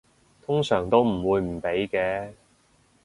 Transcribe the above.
通常都唔會唔俾嘅